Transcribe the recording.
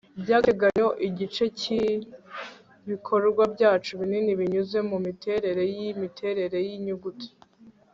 byagateganyo igice cyibikorwa byacu binini binyuze mumiterere yimiterere yinyuguti